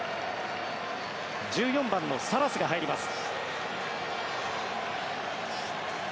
１４番のサラスが入ります。